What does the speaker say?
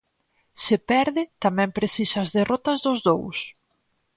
Se perde tamén precisa as derrotas dos dous.